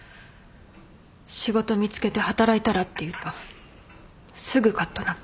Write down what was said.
仕事見つけて働いたらって言うとすぐかっとなって。